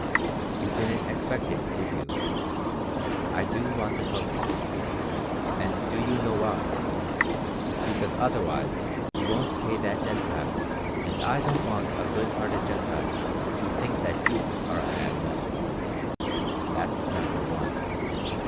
You didn't expect it, did you? I do want to help you. And do you know why? Because otherwise you won't pay that Gentile and I don't want a good hearted Gentile to think that Jews are a bad lot. That's number one.